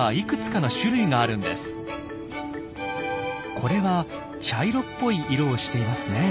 これは茶色っぽい色をしていますねえ。